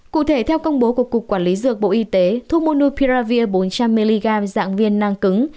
cụ thể theo công bố của cục quản lý dược bộ y tế thuốc monopiravir bốn trăm linh mg dạng viên năng cứng